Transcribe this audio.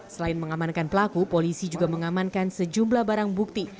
selain mengamankan pelaku polisi juga mengamankan sejumlah barang bukti